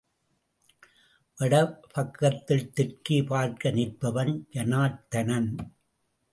வட பக்கத்தில் தெற்கே பார்க்க நிற்பவன் ஜனார்த்தனன்.